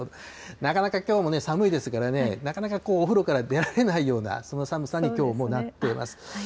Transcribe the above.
なかなかきょうも寒いですからね、なかなかお風呂から出られないような、そんな寒さにきょうもなってます。